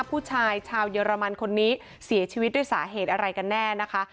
ผู้ชายชาวเยอรมันคนนี้เสียชีวิตด้วยสาเหตุอะไรกันแน่นะคะ